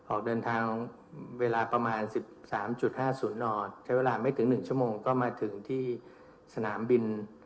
ออกเดินทางเวลาประมาณ๑๓๕๐นใช้เวลาไม่ถึง๑ชั่วโมงก็มาถึงที่สนามบิน